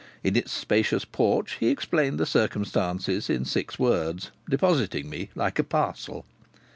In its spacious porch he explained the circumstances in six words, depositing me like a parcel.